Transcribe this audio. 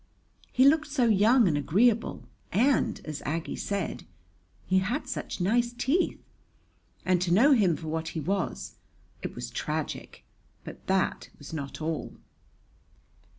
He looked so young and agreeable, and, as Aggie said, he had such nice teeth. And to know him for what he was it was tragic! But that was not all.